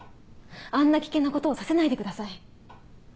あんな危険なことをさせないでください。